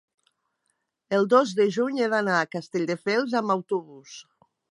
el dos de juny he d'anar a Castelldefels amb autobús.